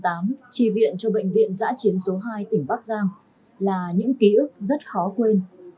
tri viện cho bệnh viện giã chiến số hai tỉnh bắc giang là những ký ức rất khó quên